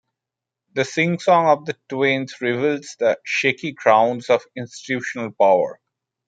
The singsong of the twins reveals the shaky grounds of institutional power.